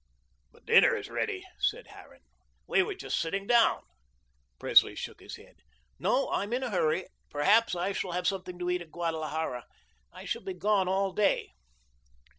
"But dinner is ready," said Harran; "we are just sitting down." Presley shook his head. "No, I'm in a hurry. Perhaps I shall have something to eat at Guadalajara. I shall be gone all day."